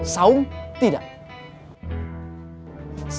saung tidak ada